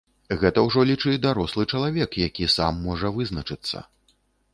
Гэта ўжо, лічы, дарослы чалавек, які сам можа вызначыцца.